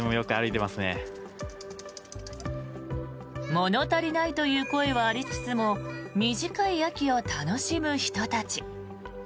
物足りないという声はありつつも短い秋を楽しむ人たち。